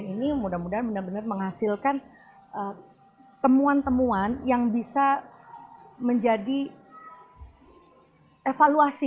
dan presiden ini mudah mudahan benar benar menghasilkan temuan temuan yang bisa menjadi evaluasi